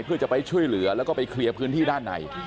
เพื่อจะไปช่วยเหลือแล้วก็ไปเคลียร์พื้นที่ด้านใน